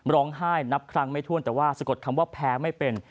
ร้องไห้นับครั้งไม่ถ้วนแต่ว่าสะกดคำว่าแพ้ไม่เป็น